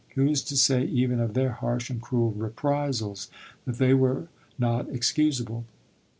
Who is to say even of their harsh and cruel reprisals that they were not excusable?